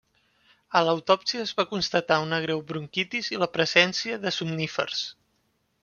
A l'autòpsia es va constatar una greu bronquitis i la presència de somnífers.